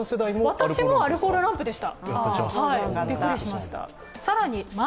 私、アルコールランプでした。